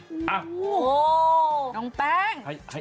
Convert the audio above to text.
โอ้โหน้องแป้ง